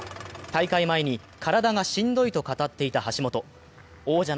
大会前に体がしんどいと語っていた橋本。